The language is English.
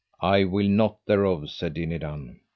I will not thereof, said Dinadan.